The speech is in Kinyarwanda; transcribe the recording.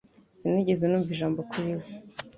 Sinigeze numva ijambo kuri we.